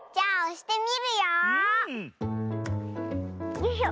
よいしょ。